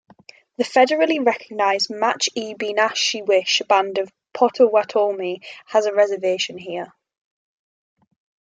The federally recognized Match-E-Be-Nash-She-Wish Band of Pottowatomi has a reservation here.